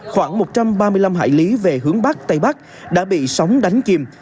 khoảng một trăm ba mươi năm hải lý về hướng bắc tây bắc đã bị sóng đánh kìm